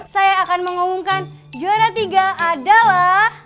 saya akan mengumumkan juara tiga adalah